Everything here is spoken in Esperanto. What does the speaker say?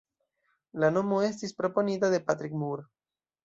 La nomo estis proponita de Patrick Moore.